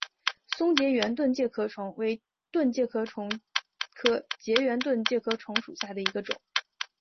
松栉圆盾介壳虫为盾介壳虫科栉圆盾介壳虫属下的一个种。